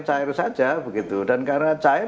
cair saja begitu dan karena cair